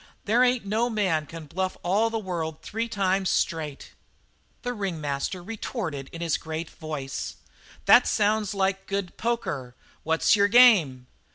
There ain't no man can bluff all the world three times straight." The ringmaster retorted in his great voice: "That sounds like good poker. What's your game?"